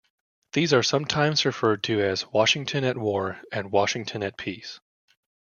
These are sometimes referred to as "Washington at War" and "Washington at Peace".